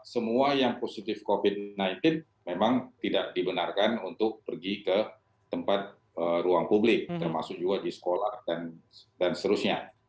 semua yang positif covid sembilan belas memang tidak dibenarkan untuk pergi ke tempat ruang publik termasuk juga di sekolah dan seterusnya